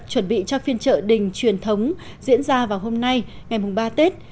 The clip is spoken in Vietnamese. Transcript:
chuẩn bị cho phiên trợ đình truyền thống diễn ra vào hôm nay ngày ba tết